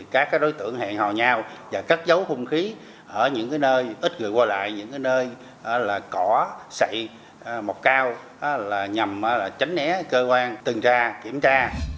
các đối tượng hẹn hò nhau và cắt giấu không khí ở những cái nơi ít người qua lại những cái nơi là cỏ sậy mọc cao là nhằm tránh né cơ quan tường tra kiểm tra